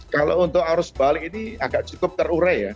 kalau untuk arus balik ini agak cukup terurai ya